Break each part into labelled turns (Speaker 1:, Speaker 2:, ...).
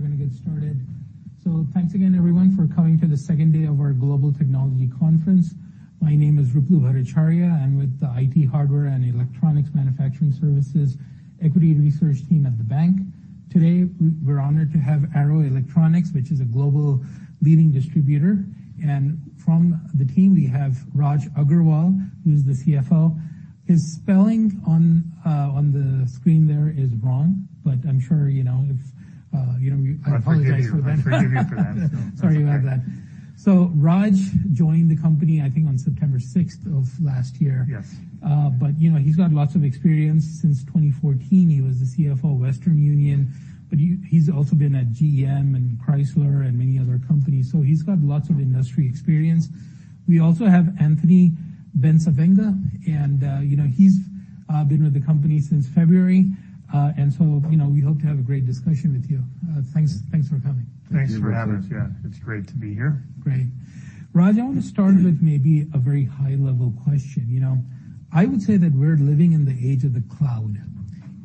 Speaker 1: We're gonna get started. Thanks again, everyone, for coming to the second day of our Global Technology Conference. My name is Ruplu Bhattacharya, I'm with the IT Hardware and Electronics Manufacturing Services Equity Research team at the Bank. Today, we're honored to have Arrow Electronics, which is a global leading distributor, and from the team, we have Raj Agrawal, who is the CFO. His spelling on the screen there is wrong, but I'm sure, you know, if, you know, I apologize for that.
Speaker 2: I forgive you for that.
Speaker 1: Sorry about that. Raj joined the company, I think, on September 6th of last year.
Speaker 2: Yes.
Speaker 1: You know, he's got lots of experience. Since 2014, he was the CFO of Western Union, but he's also been at GM and Chrysler and many other companies, so he's got lots of industry experience. We also have Anthony Bencivenga, you know, he's been with the company since February, and so, you know, we hope to have a great discussion with you. Thanks for coming.
Speaker 2: Thanks for having us. Yeah, it's great to be here.
Speaker 1: Great. Raj, I want to start with maybe a very high-level question. You know, I would say that we're living in the age of the cloud,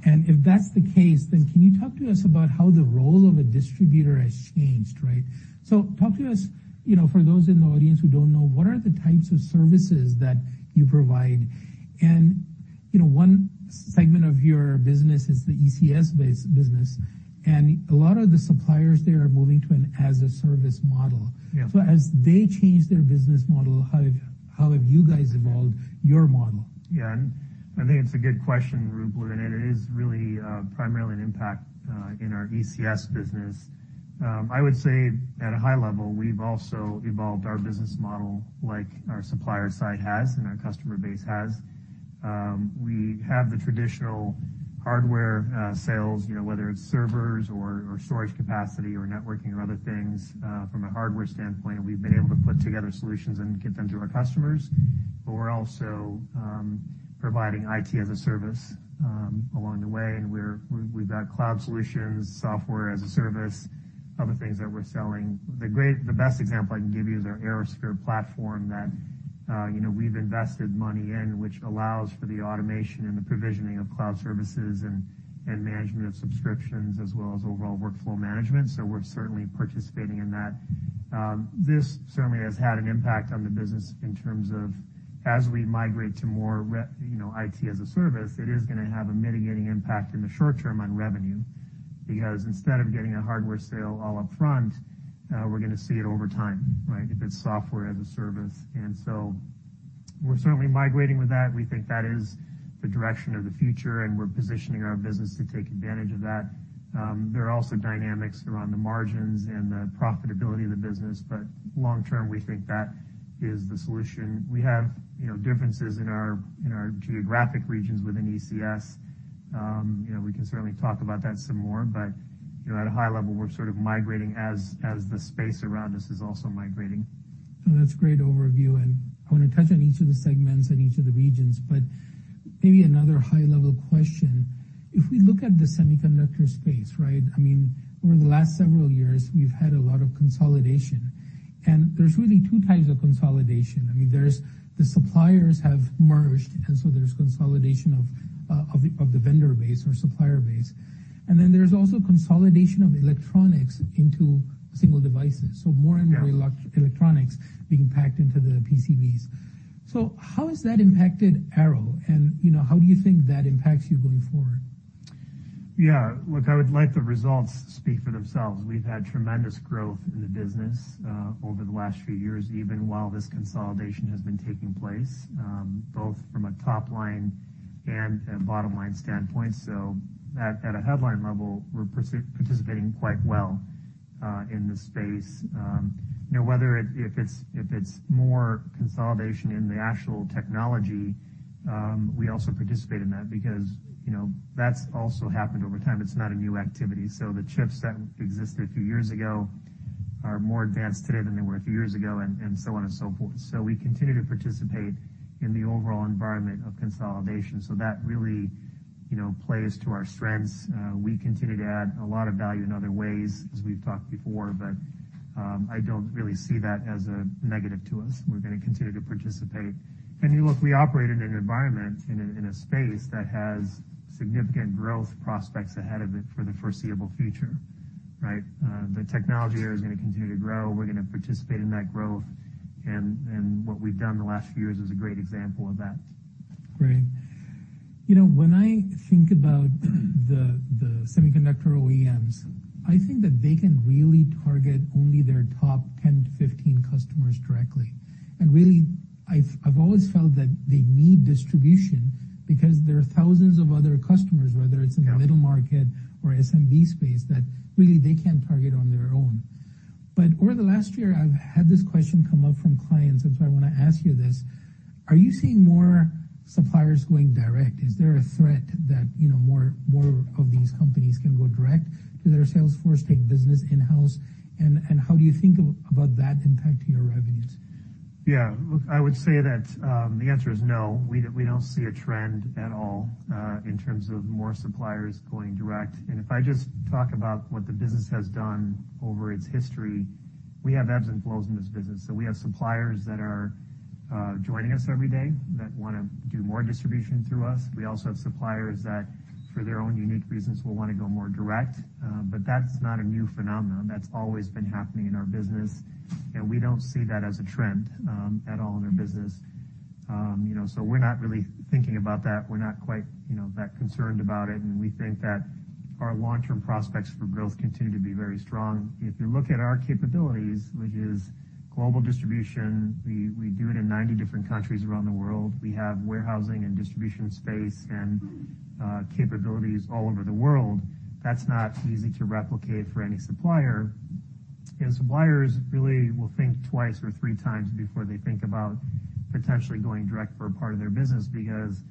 Speaker 1: if that's the case, then can you talk to us about how the role of a distributor has changed, right? Talk to us, you know, for those in the audience who don't know, what are the types of services that you provide? You know, one segment of your business is the ECS-based business, and a lot of the suppliers there are moving to an as-a-Service model.
Speaker 2: Yeah.
Speaker 1: As they change their business model, how have you guys evolved your model?
Speaker 2: Yeah, I think it's a good question, Ruplu, and it is really primarily an impact in our ECS business. I would say at a high level, we've also evolved our business model like our supplier side has and our customer base has. We have the traditional hardware sales, you know, whether it's servers or storage capacity or networking or other things from a hardware standpoint, we've been able to put together solutions and get them to our customers. We're also providing IT as a service along the way, and we've got cloud solutions, software as a service, other things that we're selling. The best example I can give you is our ArrowSphere platform that, you know, we've invested money in, which allows for the automation and the provisioning of cloud services and management of subscriptions, as well as overall workflow management, so we're certainly participating in that. This certainly has had an impact on the business in terms of as we migrate to more, you know, IT as a service, it is gonna have a mitigating impact in the short term on revenue, because instead of getting a hardware sale all upfront, we're gonna see it over time, right, if it's software as a service. We're certainly migrating with that. We think that is the direction of the future, and we're positioning our business to take advantage of that. There are also dynamics around the margins and the profitability of the business. Long term, we think that is the solution. We have, you know, differences in our, in our geographic regions within ECS. You know, we can certainly talk about that some more. You know, at a high level, we're sort of migrating as the space around us is also migrating.
Speaker 1: No, that's a great overview, and I want to touch on each of the segments and each of the regions, but maybe another high-level question. If we look at the semiconductor space, right, I mean, over the last several years, we've had a lot of consolidation, and there's really two types of consolidation. I mean, there's the suppliers have merged, and so there's consolidation of the vendor base or supplier base. There's also consolidation of electronics into single devices.
Speaker 2: Yeah.
Speaker 1: More and more electronics being packed into the PCBs. How has that impacted Arrow? You know, how do you think that impacts you going forward?
Speaker 2: Look, I would let the results speak for themselves. We've had tremendous growth in the business over the last few years, even while this consolidation has been taking place, both from a top-line and a bottom-line standpoint. At a headline level, we're participating quite well in this space. You know, whether if it's more consolidation in the actual technology, we also participate in that because, you know, that's also happened over time. It's not a new activity. The chips that existed a few years ago are more advanced today than they were a few years ago, and so on and so forth. We continue to participate in the overall environment of consolidation, so that really, you know, plays to our strengths. We continue to add a lot of value in other ways, as we've talked before, but I don't really see that as a negative to us. We're gonna continue to participate. Look, we operate in an environment, in a space that has significant growth prospects ahead of it for the foreseeable future, right? The technology there is gonna continue to grow. We're gonna participate in that growth, and what we've done in the last few years is a great example of that.
Speaker 1: Great. You know, when I think about the semiconductor OEMs, I think that they can really target only their top 10-15 customers directly. Really, I've always felt that they need distribution because there are thousands of other customers, whether it's.
Speaker 2: Yeah
Speaker 1: in the middle market or SMB space, that really they can't target on their own. Over the last year, I've had this question come up from clients, I want to ask you this: Are you seeing more suppliers going direct? Is there a threat that, you know, more of these companies can go direct to their sales force, take business in-house, and how do you think about that impacting your revenues?
Speaker 2: Yeah. Look, I would say that the answer is no. We don't see a trend at all in terms of more suppliers going direct. If I just talk about what the business has done over its history. We have ebbs and flows in this business. We have suppliers that are joining us every day that want to do more distribution through us. We also have suppliers that, for their own unique reasons, will want to go more direct. That's not a new phenomenon. That's always been happening in our business, and we don't see that as a trend at all in our business. You know, so we're not really thinking about that. We're not quite, you know, that concerned about it, and we think that our long-term prospects for growth continue to be very strong. If you look at our capabilities, which is global distribution, we do it in 90 different countries around the world. We have warehousing and distribution space and capabilities all over the world. That's not easy to replicate for any supplier. Suppliers really will think twice or three times before they think about potentially going direct for a part of their business, because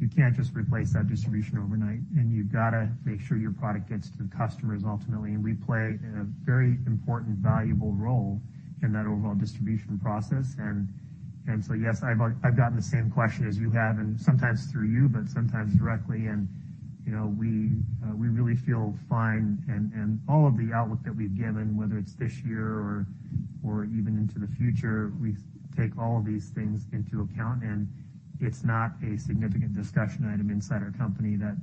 Speaker 2: you can't just replace that distribution overnight, you've got to make sure your product gets to the customers ultimately. We play a very important, valuable role in that overall distribution process. Yes, I've gotten the same question as you have, and sometimes through you, but sometimes directly. You know, we really feel fine. All of the outlook that we've given, whether it's this year or even into the future, we take all of these things into account, and it's not a significant discussion item inside our company that,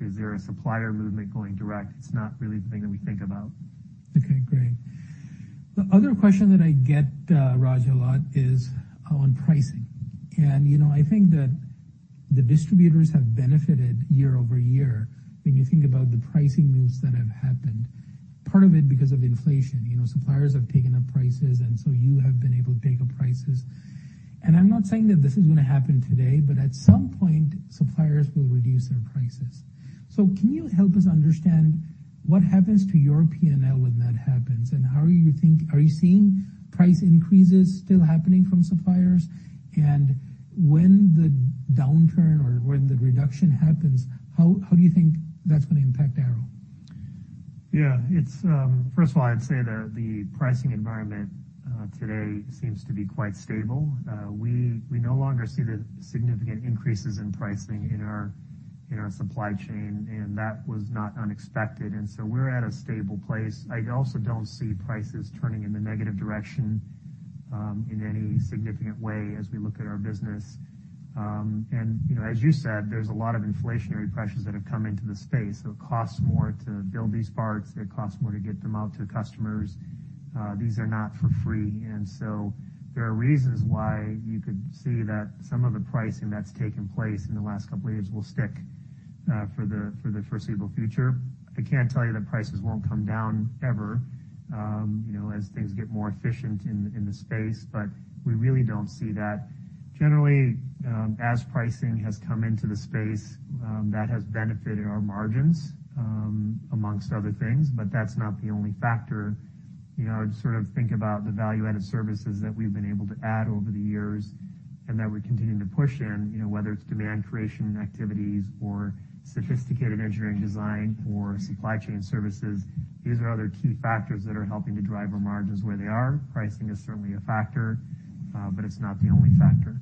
Speaker 2: is there a supplier movement going direct? It's not really the thing that we think about.
Speaker 1: Okay, great. The other question that I get, Raj, a lot is on pricing. You know, I think that the distributors have benefited year-over-year when you think about the pricing moves that have happened, part of it because of inflation. You know, suppliers have taken up prices, and so you have been able to take up prices. I'm not saying that this is going to happen today, but at some point, suppliers will reduce their prices. Can you help us understand what happens to your P&L when that happens, and how are you seeing price increases still happening from suppliers? When the downturn or when the reduction happens, how do you think that's going to impact Arrow?
Speaker 2: Yeah, it's First of all, I'd say that the pricing environment today seems to be quite stable. We no longer see the significant increases in pricing in our supply chain, and that was not unexpected, and so we're at a stable place. I also don't see prices turning in the negative direction in any significant way as we look at our business. You know, as you said, there's a lot of inflationary pressures that have come into the space, so it costs more to build these parts. It costs more to get them out to customers. These are not for free, and so there are reasons why you could see that some of the pricing that's taken place in the last couple of years will stick for the foreseeable future. I can't tell you that prices won't come down ever, you know, as things get more efficient in the space, but we really don't see that. Generally, as pricing has come into the space, that has benefited our margins, amongst other things, but that's not the only factor. You know, I just sort of think about the value-added services that we've been able to add over the years and that we're continuing to push in, you know, whether it's demand creation and activities or sophisticated engineering design or supply chain services. These are other key factors that are helping to drive our margins where they are. Pricing is certainly a factor, but it's not the only factor.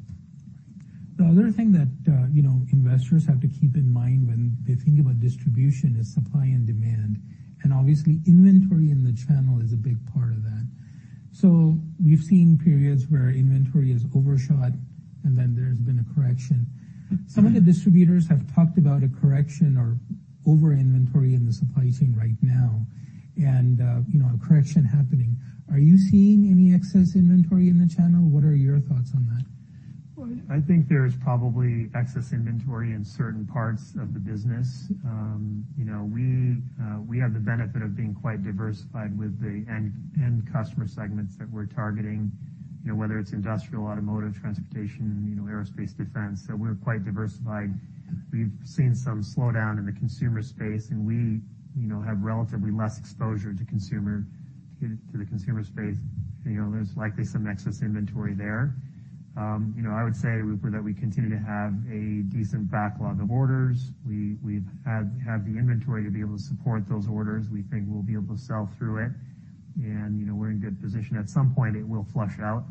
Speaker 1: The other thing that, you know, investors have to keep in mind when they think about distribution is supply and demand. Obviously, inventory in the channel is a big part of that. We've seen periods where inventory is overshot, and then there's been a correction. Some of the distributors have talked about a correction or over inventory in the supply chain right now. You know, a correction happening. Are you seeing any excess inventory in the channel? What are your thoughts on that?
Speaker 2: Well, I think there is probably excess inventory in certain parts of the business. You know, we have the benefit of being quite diversified with the end customer segments that we're targeting, you know, whether it's industrial, automotive, transportation, you know, aerospace, defense. We're quite diversified. We've seen some slowdown in the consumer space, and we, you know, have relatively less exposure to the consumer space. You know, there's likely some excess inventory there. You know, I would say that we continue to have a decent backlog of orders. We have the inventory to be able to support those orders. We think we'll be able to sell through it, and, you know, we're in good position. At some point, it will flush out.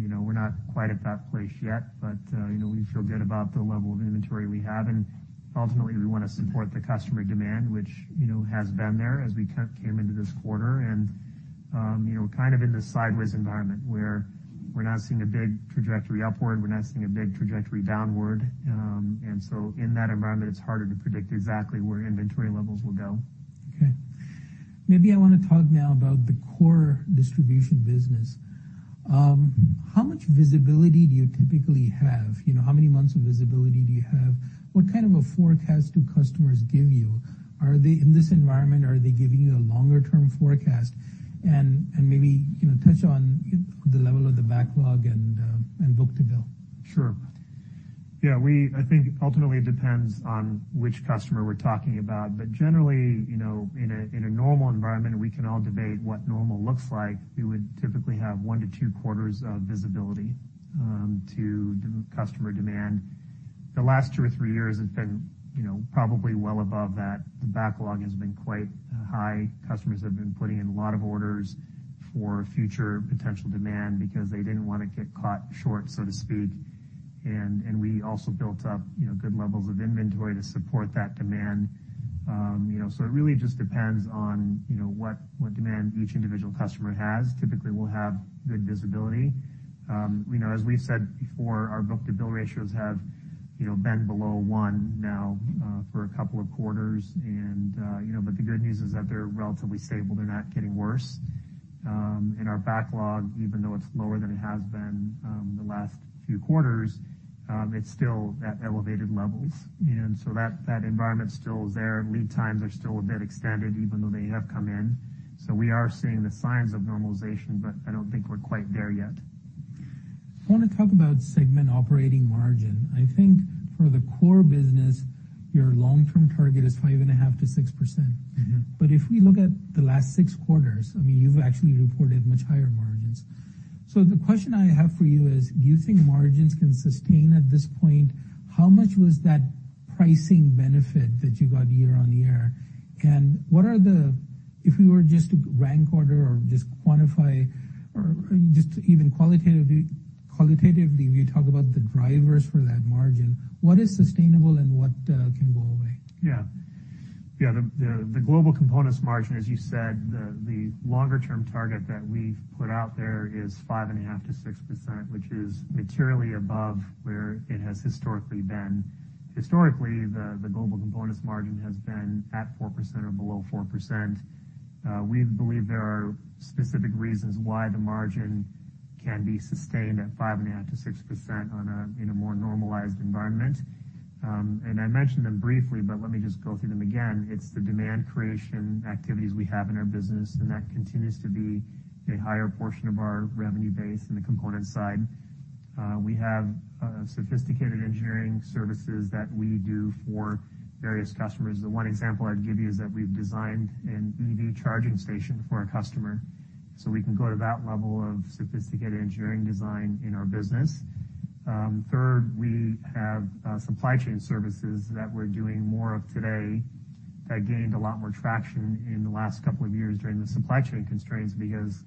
Speaker 2: You know, we're not quite at that place yet, but, you know, we feel good about the level of inventory we have. Ultimately, we want to support the customer demand, which, you know, has been there as we came into this quarter. You know, kind of in this sideways environment, where we're not seeing a big trajectory upward, we're not seeing a big trajectory downward. In that environment, it's harder to predict exactly where inventory levels will go.
Speaker 1: Okay. Maybe I want to talk now about the core distribution business. How much visibility do you typically have? You know, how many months of visibility do you have? What kind of a forecast do customers give you? Are they, in this environment, are they giving you a longer term forecast? Maybe, you know, touch on the level of the backlog and book-to-bill.
Speaker 2: Sure. Yeah, I think ultimately it depends on which customer we're talking about. Generally, you know, in a normal environment, we can all debate what normal looks like, we would typically have 1 to 2 quarters of visibility to customer demand. The last 2 or 3 years has been, you know, probably well above that. The backlog has been quite high. Customers have been putting in a lot of orders for future potential demand because they didn't want to get caught short, so to speak. We also built up, you know, good levels of inventory to support that demand. You know, it really just depends on, you know, what demand each individual customer has. Typically, we'll have good visibility. We know, as we've said before, our book-to-bill ratios have, you know, been below one now, for a couple of quarters. You know, the good news is that they're relatively stable. They're not getting worse. Our backlog, even though it's lower than it has been, the last few quarters, it's still at elevated levels. That, that environment still is there. Lead times are still a bit extended, even though they have come in. We are seeing the signs of normalization. I don't think we're quite there yet.
Speaker 1: I wanna talk about segment operating margin. I think for the core business, your long-term target is 5.5%-6%.
Speaker 2: Mm-hmm.
Speaker 1: If we look at the last six quarters, I mean, you've actually reported much higher margins. The question I have for you is: do you think margins can sustain at this point? How much was that pricing benefit that you got year-on-year? What are if we were just to rank order or just quantify or just even qualitatively, if you talk about the drivers for that margin, what is sustainable and what can go away?
Speaker 2: Yeah. Yeah, the global components margin, as you said, the longer-term target that we've put out there is 5.5%-6%, which is materially above where it has historically been. Historically, the global components margin has been at 4% or below 4%. We believe there are specific reasons why the margin can be sustained at 5.5%-6% on a, in a more normalized environment. I mentioned them briefly, but let me just go through them again. It's the demand creation activities we have in our business, and that continues to be a higher portion of our revenue base in the component side. We have sophisticated engineering services that we do for various customers. The one example I'd give you is that we've designed an EV charging station for a customer, so we can go to that level of sophisticated engineering design in our business. Third, we have supply chain services that we're doing more of today, that gained a lot more traction in the last couple of years during the supply chain constraints, because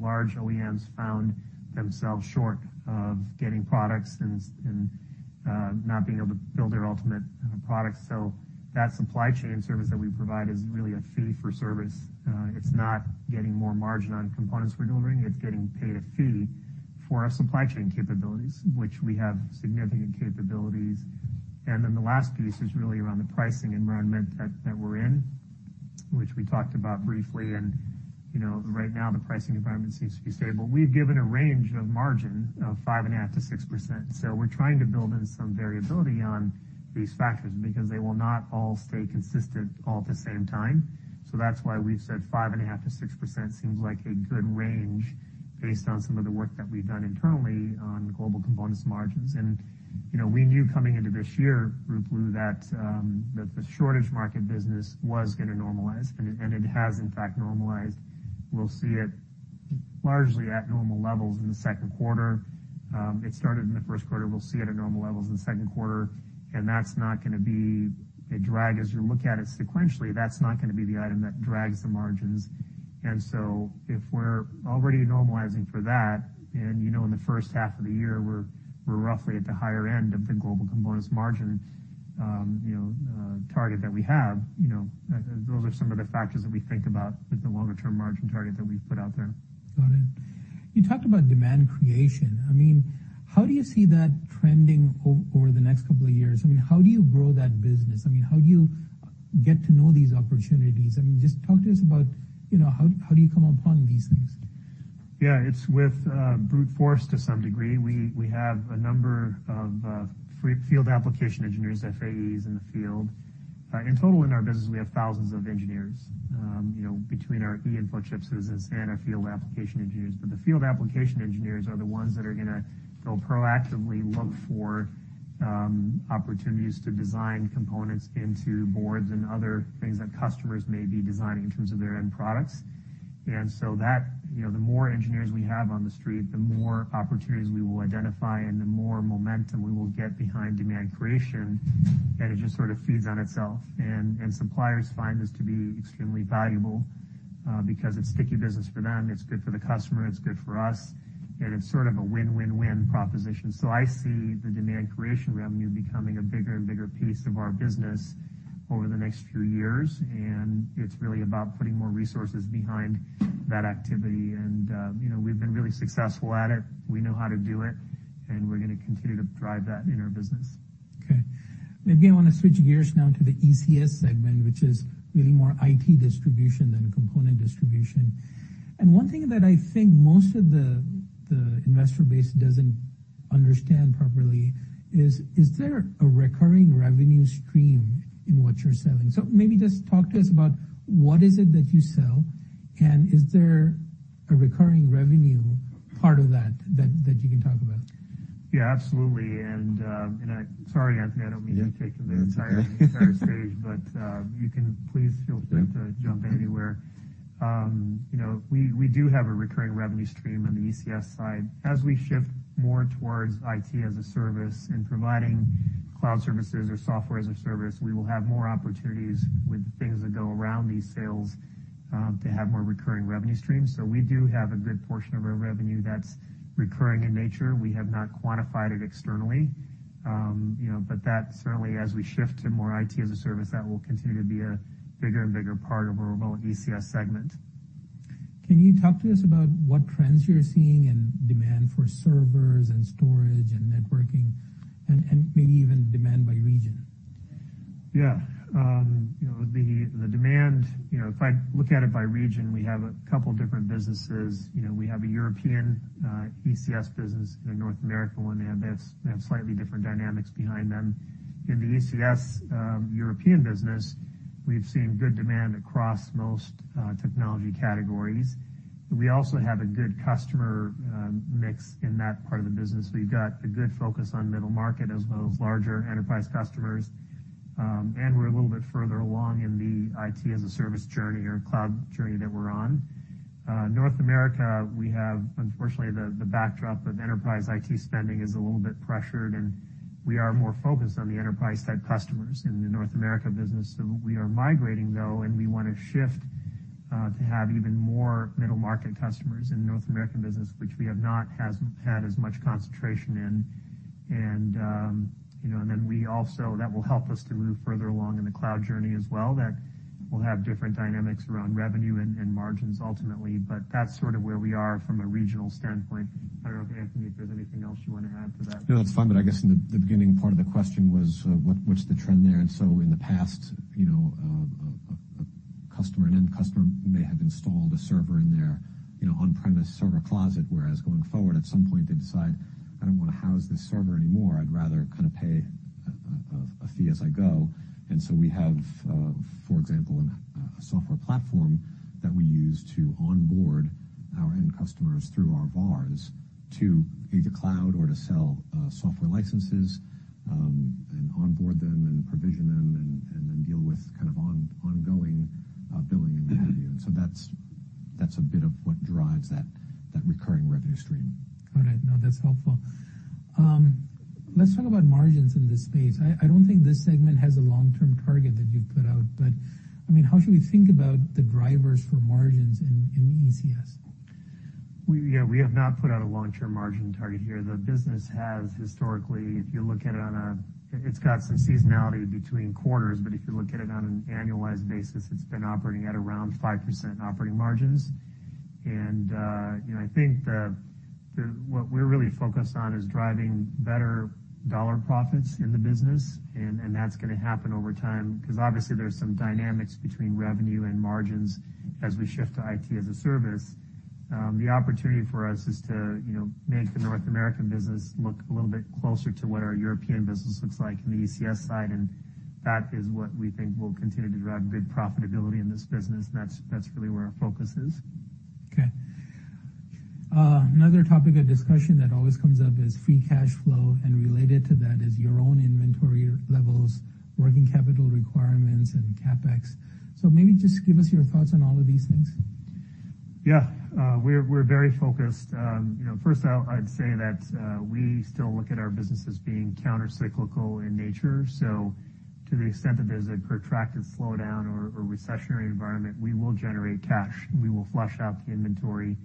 Speaker 2: large OEMs found themselves short of getting products and not being able to build their ultimate products. That supply chain service that we provide is really a fee for service. It's not getting more margin on components we're delivering. It's getting paid a fee for our supply chain capabilities, which we have significant capabilities. The last piece is really around the pricing environment that we're in, which we talked about briefly. You know, right now, the pricing environment seems to be stable. We've given a range of margin of 5.5%-6%, we're trying to build in some variability on these factors because they will not all stay consistent all at the same time. That's why we've said 5.5%-6% seems like a good range based on some of the work that we've done internally on global components margins. You know, we knew coming into this year, Ruplu, that the shortage market business was gonna normalize, and it has, in fact, normalized. We'll see it largely at normal levels in the second quarter. It started in the first quarter. We'll see it at normal levels in the second quarter, and that's not gonna be a drag. As you look at it sequentially, that's not gonna be the item that drags the margins. If we're already normalizing for that, and you know in the first half of the year, we're roughly at the higher end of the global components margin, you know, target that we have, you know, those are some of the factors that we think about with the longer-term margin target that we've put out there.
Speaker 1: Got it. You talked about demand creation. I mean, how do you see that trending over the next couple of years? I mean, how do you grow that business? I mean, how do you get to know these opportunities? I mean, just talk to us about, you know, how do you come upon these things?
Speaker 2: Yeah, it's with brute force to some degree. We have a number of Field Application Engineers, FAEs, in the field. In total, in our business, we have thousands of engineers, you know, between our eInfochips business and our Field Application Engineers. The Field Application Engineers are the ones that are gonna go proactively look for opportunities to design components into boards and other things that customers may be designing in terms of their end products. That, you know, the more engineers we have on the street, the more opportunities we will identify and the more momentum we will get behind demand creation, and it just sort of feeds on itself. Suppliers find this to be extremely valuable because it's sticky business for them, it's good for the customer, it's good for us, and it's sort of a win-win-win proposition. I see the demand creation revenue becoming a bigger and bigger piece of our business over the next few years, and it's really about putting more resources behind that activity. You know, we've been really successful at it. We know how to do it, and we're gonna continue to drive that in our business.
Speaker 1: Okay. Maybe I want to switch gears now to the ECS segment, which is really more IT distribution than component distribution. One thing that I think most of the investor base doesn't understand properly is: Is there a recurring revenue stream in what you're selling? Maybe just talk to us about what is it that you sell, and is there a recurring revenue part of that you can talk about?
Speaker 2: Yeah, absolutely. I... Sorry, Anthony, I don't mean to take the entire stage, but you can please feel free to jump in anywhere. You know, we do have a recurring revenue stream on the ECS side. As we shift more towards IT as a service and providing cloud services or software as a service, we will have more opportunities with things that go around these sales to have more recurring revenue streams. We do have a good portion of our revenue that's recurring in nature. We have not quantified it externally, you know, but that certainly, as we shift to more IT as a service, that will continue to be a bigger and bigger part of our overall ECS segment.
Speaker 1: Can you talk to us about what trends you're seeing in demand for servers and storage and networking, and maybe even demand by region?
Speaker 2: Yeah. You know, the demand, you know, if I look at it by region, we have a couple different businesses. You know, we have a European ECS business and a North American one, and they have slightly different dynamics behind them. In the ECS European business, we've seen good demand across most technology categories. We also have a good customer mix in that part of the business. We've got a good focus on middle market as well as larger enterprise customers, and we're a little bit further along in the IT as a service journey or cloud journey that we're on. North America, we have, unfortunately, the backdrop of enterprise IT spending is a little bit pressured, and we are more focused on the enterprise side customers in the North America business. We are migrating, though, and we want to shift to have even more middle-market customers in the North American business, which hasn't had as much concentration in. You know, that will help us to move further along in the cloud journey as well. That will have different dynamics around revenue and margins ultimately, that's sort of where we are from a regional standpoint. I don't know, Anthony, if there's anything else you want to add to that?
Speaker 3: That's fine, but I guess in the beginning, part of the question was, what's the trend there? In the past, you know, a customer, an end customer may have installed a server in their, you know, on-premise server closet, whereas going forward, at some point, they decide, "I don't wanna house this server anymore. I'd rather kind of pay a fee as I go." We have, for example, a software platform that we use to onboard our end customers through our VARs to either cloud or to sell software licenses, and onboard them and provision them, and then deal with kind of ongoing billing and what have you. That's, that's a bit of what drives that recurring revenue stream.
Speaker 1: All right. No, that's helpful. Let's talk about margins in this space. I don't think this segment has a long-term target that you've put out, I mean, how should we think about the drivers for margins in the ECS?
Speaker 2: We have not put out a long-term margin target here. The business has historically, if you look at it on an annualized basis, it's been operating at around 5% operating margins. You know, I think what we're really focused on is driving better dollar profits in the business, and that's gonna happen over time, 'cause obviously there's some dynamics between revenue and margins as we shift to IT as a service. The opportunity for us is to, you know, make the North American business look a little bit closer to what our European business looks like in the ECS side, that is what we think will continue to drive good profitability in this business. That's really where our focus is.
Speaker 1: Okay. Another topic of discussion that always comes up is free cash flow, and related to that is your own inventory levels, working capital requirements, and CapEx. Maybe just give us your thoughts on all of these things.
Speaker 2: Yeah, we're very focused. You know, first out, I'd say that we still look at our business as being countercyclical in nature. To the extent that there's a protracted slowdown or recessionary environment, we will generate cash. We will flush out the inventory.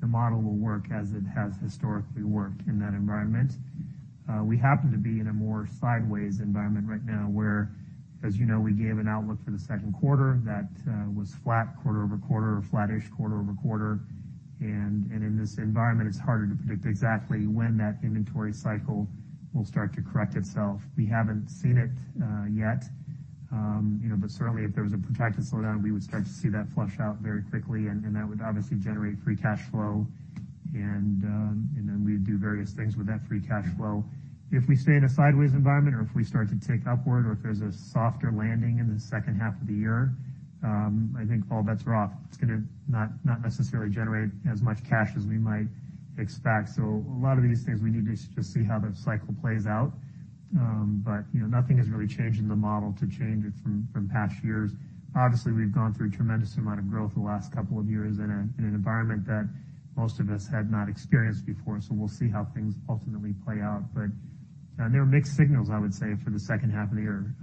Speaker 2: The model will work as it has historically worked in that environment. We happen to be in a more sideways environment right now, where, as you know, we gave an outlook for the second quarter that was flat quarter-over-quarter or flattish quarter-over-quarter. In this environment, it's harder to predict exactly when that inventory cycle will start to correct itself. We haven't seen it, yet, you know, but certainly, if there was a protracted slowdown, we would start to see that flush out very quickly, and that would obviously generate free cash flow. Then we'd do various things with that free cash flow. If we stay in a sideways environment or if we start to tick upward or if there's a softer landing in the second half of the year, I think all bets are off. It's gonna not necessarily generate as much cash as we might expect. A lot of these things, we need to just see how the cycle plays out, you know, nothing has really changed in the model to change it from past years. Obviously, we've gone through a tremendous amount of growth the last couple of years in a, in an environment that most of us had not experienced before, so we'll see how things ultimately play out. There are mixed signals, I would say, for the second half of the year,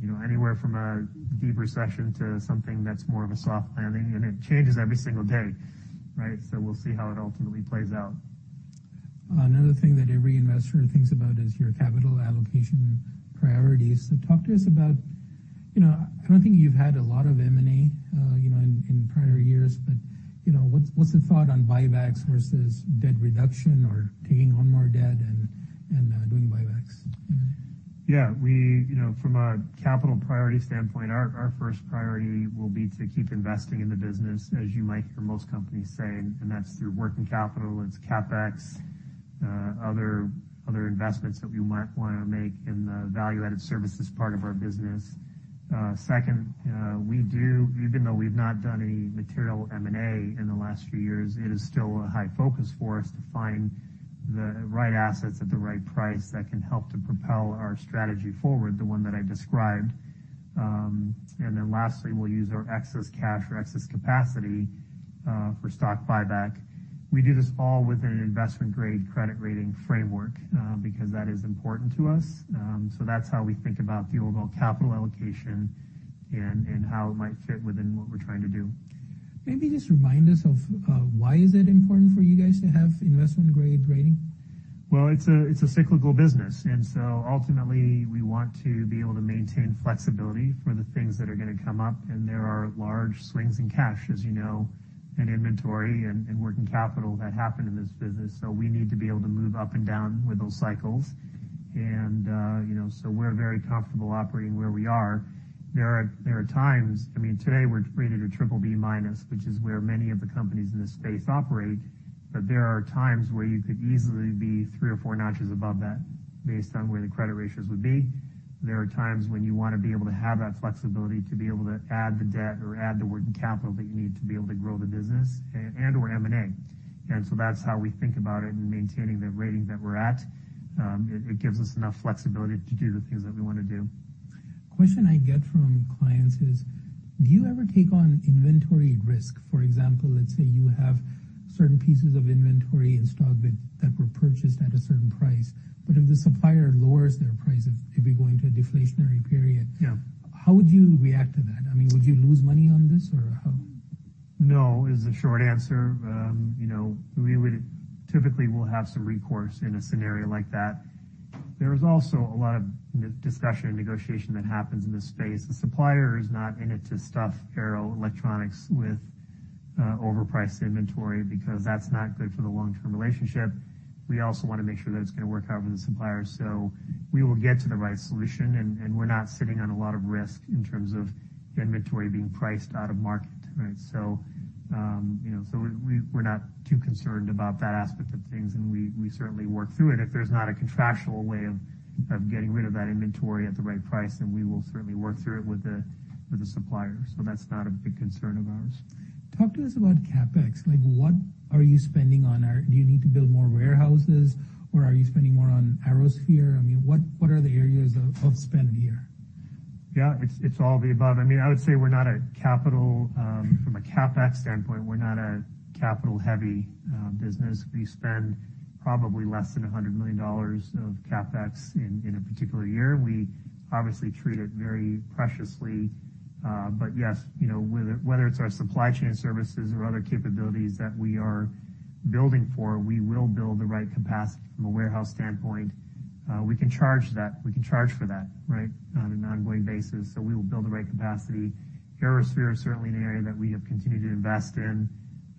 Speaker 2: you know, anywhere from a deep recession to something that's more of a soft landing, and it changes every single day, right? We'll see how it ultimately plays out.
Speaker 1: Another thing that every investor thinks about is your capital allocation priorities. Talk to us about, you know, I don't think you've had a lot of M&A, you know, in prior years, but, you know, what's the thought on buybacks versus debt reduction or taking on more debt and doing buybacks?
Speaker 2: Yeah. You know, from a capital priority standpoint, our first priority will be to keep investing in the business, as you might hear most companies say, and that's through working capital, it's CapEx, other investments that we might wanna make in the value-added services part of our business. Second, we do, even though we've not done any material M&A in the last few years, it is still a high focus for us to find the right assets at the right price that can help to propel our strategy forward, the one that I described. Lastly, we'll use our excess cash or excess capacity for stock buyback. We do this all within an investment grade credit rating framework, because that is important to us. That's how we think about the overall capital allocation and how it might fit within what we're trying to do.
Speaker 1: Maybe just remind us of, why is it important for you guys to have investment grade rating?
Speaker 2: It's a cyclical business, ultimately, we want to be able to maintain flexibility for the things that are gonna come up, and there are large swings in cash, as you know, and inventory and working capital that happen in this business. We need to be able to move up and down with those cycles. You know, we're very comfortable operating where we are. There are times, I mean, today we're rated a BBB-, which is where many of the companies in this space operate, but there are times where you could easily be 3 or 4 notches above that based on where the credit ratios would be. There are times when you wanna be able to have that flexibility to be able to add the debt or add the working capital that you need to be able to grow the business and or M&A. That's how we think about it and maintaining the rating that we're at. It gives us enough flexibility to do the things that we wanna do.
Speaker 1: Question I get from clients is: Do you ever take on inventory risk? For example, let's say you have certain pieces of inventory and stock that were purchased at a certain price, but if the supplier lowers their price, if we go into a deflationary period.
Speaker 2: Yeah.
Speaker 1: How would you react to that? I mean, would you lose money on this or how?
Speaker 2: No, is the short answer. You know, we would typically will have some recourse in a scenario like that. There is also a lot of discussion and negotiation that happens in this space. The supplier is not in it to stuff Arrow Electronics with, overpriced inventory, because that's not good for the long-term relationship. We also wanna make sure that it's gonna work out for the supplier. We will get to the right solution, and we're not sitting on a lot of risk in terms of inventory being priced out of market, right? You know, we're not too concerned about that aspect of things, and we certainly work through it. If there's not a contractual way of getting rid of that inventory at the right price, then we will certainly work through it with the, with the supplier. That's not a big concern of ours.
Speaker 1: Talk to us about CapEx. Like, what are you spending on? Do you need to build more warehouses, or are you spending more on ArrowSphere? I mean, what are the areas of spend here?
Speaker 2: Yeah, it's all the above. I mean, I would say we're not a capital. From a CapEx standpoint, we're not a capital-heavy business. We spend probably less than $100 million of CapEx in a particular year. We obviously treat it very preciously. Yes, you know, whether it's our supply chain services or other capabilities that we are building for, we will build the right capacity from a warehouse standpoint. We can charge that. We can charge for that, right, on an ongoing basis, so we will build the right capacity. ArrowSphere is certainly an area that we have continued to invest in,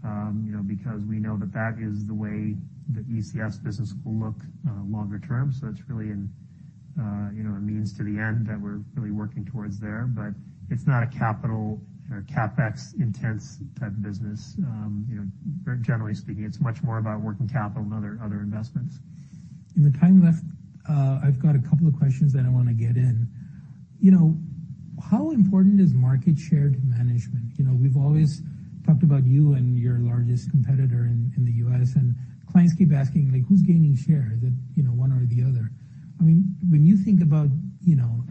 Speaker 2: you know, because we know that that is the way the ECS business will look longer term. It's really an, you know, a means to the end that we're really working towards there. It's not a capital or CapEx intense type of business. you know, very generally speaking, it's much more about working capital than other investments.
Speaker 1: In the time left, I've got a couple of questions that I wanna get in. You know, how important is market share to management? You know, we've always talked about you and your largest competitor in the U.S., and clients keep asking, like, who's gaining share? Is it, you know, one or the other? I mean, when you think about, you know,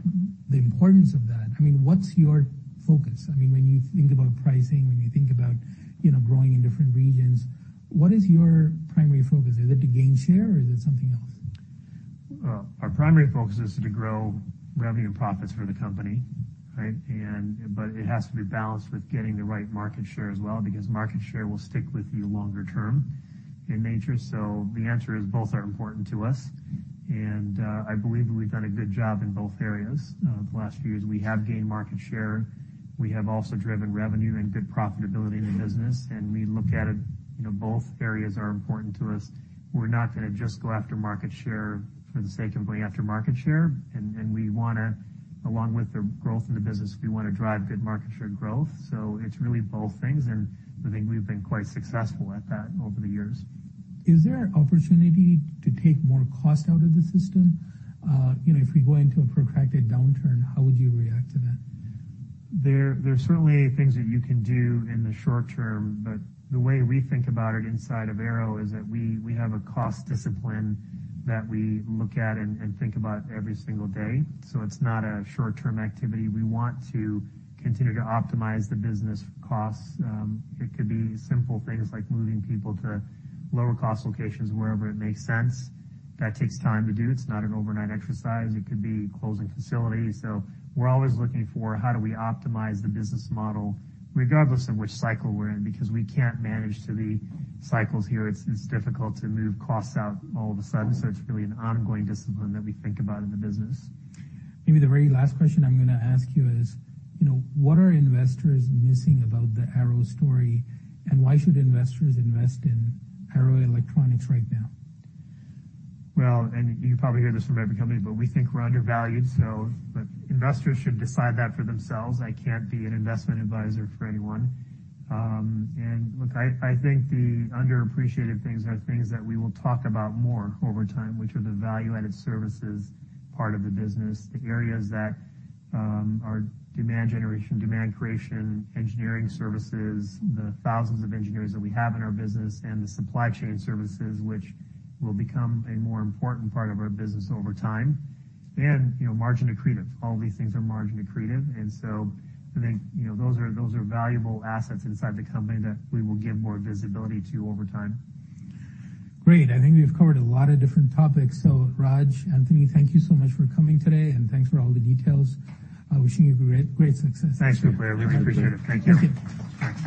Speaker 1: the importance of that, I mean, what's your focus? I mean, when you think about pricing, when you think about, you know, growing in different regions, what is your primary focus? Is it to gain share or is it something else?
Speaker 2: Well, our primary focus is to grow revenue and profits for the company, right? It has to be balanced with getting the right market share as well, because market share will stick with you longer term in nature. The answer is, both are important to us, and I believe that we've done a good job in both areas. The last few years, we have gained market share. We have also driven revenue and good profitability in the business, and we look at it, you know, both areas are important to us. We're not gonna just go after market share for the sake of going after market share. We wanna, along with the growth in the business, we wanna drive good market share growth. It's really both things, and I think we've been quite successful at that over the years.
Speaker 1: Is there an opportunity to take more cost out of the system? you know, if we go into a protracted downturn, how would you react to that?
Speaker 2: There's certainly things that you can do in the short term. The way we think about it inside of Arrow is that we have a cost discipline that we look at and think about every single day. It's not a short-term activity. We want to continue to optimize the business costs. It could be simple things like moving people to lower-cost locations wherever it makes sense. That takes time to do. It's not an overnight exercise. It could be closing facilities. We're always looking for how do we optimize the business model, regardless of which cycle we're in, because we can't manage to the cycles here. It's difficult to move costs out all of a sudden. It's really an ongoing discipline that we think about in the business.
Speaker 1: Maybe the very last question I'm gonna ask you is, you know, what are investors missing about the Arrow story, and why should investors invest in Arrow Electronics right now?
Speaker 2: You probably hear this from every company, but we think we're undervalued, so. Investors should decide that for themselves. I can't be an investment advisor for anyone. Look, I think the underappreciated things are things that we will talk about more over time, which are the value-added services part of the business, the areas that are demand generation, demand creation, engineering services, the thousands of engineers that we have in our business, and the supply chain services, which will become a more important part of our business over time. You know, margin accretive. All these things are margin accretive, and so I think, you know, those are valuable assets inside the company that we will give more visibility to over time.
Speaker 1: Great. I think we've covered a lot of different topics. Raj, Anthony, thank you so much for coming today, and thanks for all the details. I'm wishing you great success.
Speaker 2: Thanks, Ruplu. I really appreciate it. Thank you.
Speaker 1: Thank you.